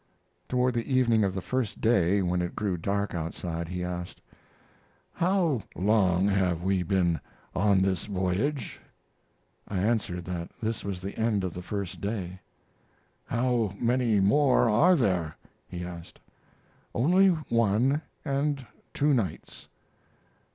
Toward the evening of the first day, when it grew dark outside, he asked: "How long have we been on this voyage?" I answered that this was the end of the first day. "How many more are there?" he asked. "Only one, and two nights."